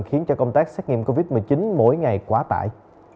khiến cho công tác xét nghiệm covid một mươi chín mỗi ngày quá tải